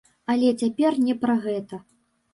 Але цяпер не пра гэта.